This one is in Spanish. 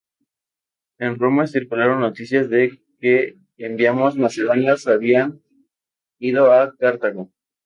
En Roma circularon noticias de que enviados macedonios habían ido a Cartago.